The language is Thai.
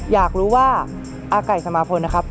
อยากรู้ว่าอาไก่สมาพลนะครับ